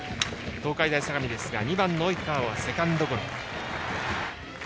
東海大相模ですが２番、及川はセカンドゴロ。